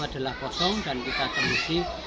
adalah kosong dan kita temui